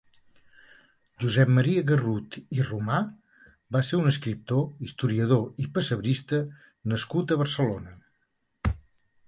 Josep Maria Garrut i Romà va ser un escriptor, historiador i pessebrista nascut a Barcelona.